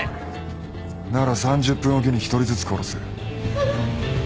なら３０分置きに１人ずつ殺す。